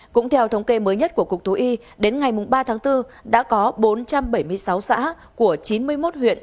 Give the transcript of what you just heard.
cũng theo thống kê mới nhất của cục thú y đến ngày ba tháng bốn đã có bốn trăm bảy mươi sáu xã của chín mươi một huyện